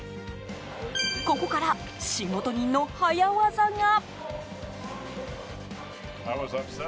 ここから仕事人の早技が。